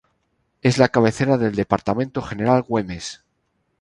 Es la cabecera del departamento General Güemes.